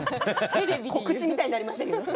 告知みたいになりましたけど。